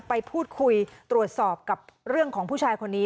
ไปพูดคุยตรวจสอบกับเรื่องของผู้ชายคนนี้